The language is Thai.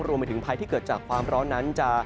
รวมไปถึงภัยที่เกิดจากความร้อนนั้นจะ